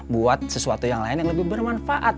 buat sesuatu yang lain yang lebih bermanfaat